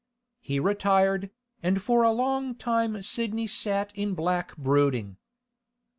He retired, and for a long time Sidney sat in black brooding.